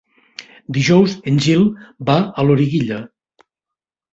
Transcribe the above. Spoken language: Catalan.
Dijous en Gil va a Loriguilla.